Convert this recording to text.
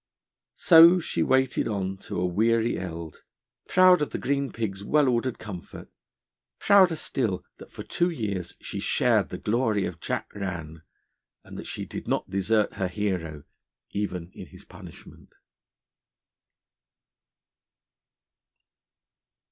So she waited on to a weary eld, proud of the 'Green Pig's' well ordered comfort, prouder still that for two years she shared the glory of Jack Rann, and that she did not desert her hero, even in his punishment.